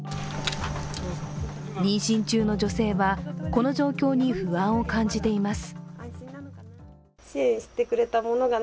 妊娠中の女性は、この状況に不安を感じています。